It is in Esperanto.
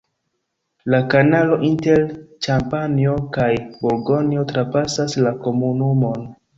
La kanalo inter Ĉampanjo kaj Burgonjo trapasas la komunumon.